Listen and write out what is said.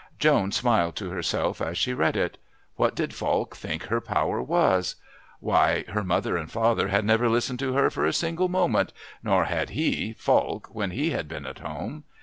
Joan smiled to herself as she read it. What did Falk think her power was? Why, her mother and father had never listened to her for a single moment, nor had he, Falk, when he had been at home.